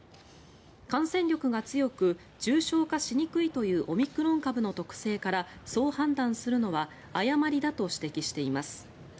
感染力が強く重症化しにくいというオミクロン株の特性からそう判断するのは誤りだと指摘しています。